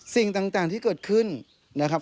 สิ่งต่างที่เกิดขึ้นนะครับ